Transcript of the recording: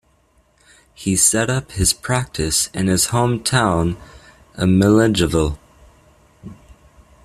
He set up his practice in his hometown of Milledgeville.